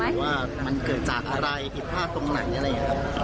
ว่ามันเกิดจากอะไรผิดพลาดตรงไหนอะไรอย่างนี้ครับ